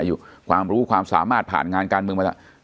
อยู่ความรู้ความสามารถผ่านงานการเมืองมาแล้ว